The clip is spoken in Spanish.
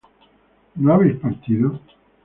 ¿no habéis partido?